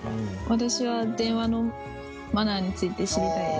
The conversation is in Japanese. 私は電話のマナーについて知りたいです。